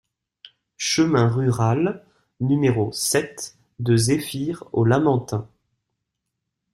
Chemin Rural No sept de Zéphyr au Lamentin